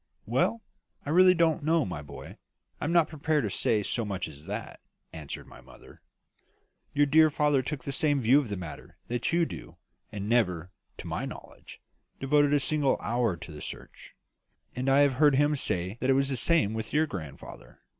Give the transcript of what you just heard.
"Well, I really don't know, my boy; I am not prepared to say so much as that," answered my mother. "Your dear father took the same view of the matter that you do, and never, to my knowledge, devoted a single hour to the search. And I have heard him say that it was the same with your grandfather.